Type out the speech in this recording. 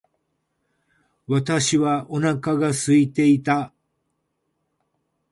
私はお腹が空いていた。